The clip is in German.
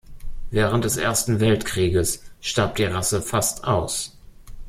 Während des Ersten Weltkrieges starb die Rasse fast aus.